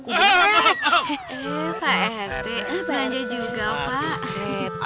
iya pak rt belanja juga pak